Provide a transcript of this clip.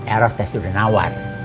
eros tes sudah nawar